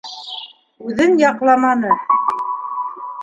Үҙен яҡламаны.